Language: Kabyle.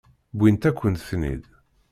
Wwint-akent-ten-id.